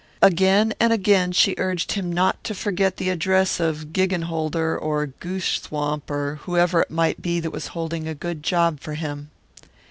Again and again she urged him not to forget the address of Giggenholder or Gooshswamp or whoever it might be that was holding a good job for him.